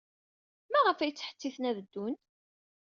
Maɣef ay ttḥettiten ad ddun?